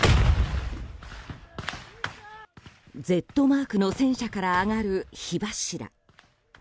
Ｚマークの戦車から上がる火柱。